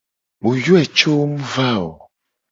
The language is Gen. Mu yoe co mu va o.